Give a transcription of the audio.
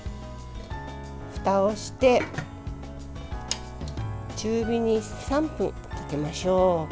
ふたをして中火に３分かけましょう。